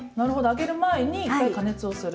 揚げる前に１回加熱をする。